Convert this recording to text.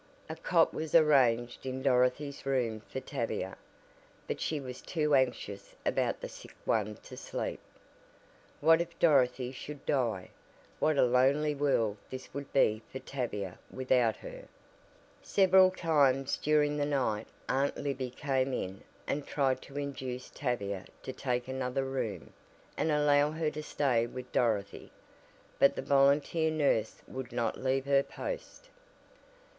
A cot was arranged in Dorothy's room for Tavia, but she was too anxious about the sick one to sleep. What if Dorothy should die? What a lonely world this would be for Tavia without her. Several times during the night Aunt Libby came in and tried to induce Tavia to take another room, and allow her to stay with Dorothy, but the volunteer nurse would not leave her post.